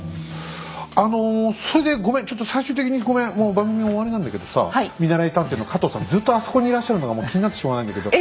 もう番組終わりなんだけどさ見習い探偵の加藤さんずっとあそこにいらっしゃるのがもう気になってしょうがないんだけど。